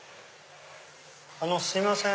あのすいません。